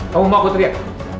kamu mau aku teriak